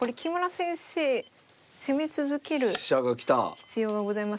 必要がございます。